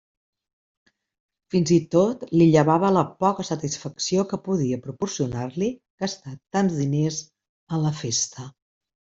Fins i tot li llevava la poca satisfacció que podia proporcionar-li gastar tants diners en la festa.